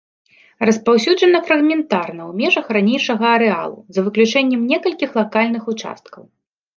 Распаўсюджана фрагментарна ў межах ранейшага арэалу, за выключэннем некалькіх лакальных участкаў.